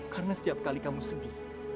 karena setiap kali kamu sedih